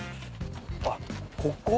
あっここ？